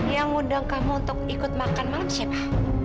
yang undang kamu untuk ikut makan malam siapa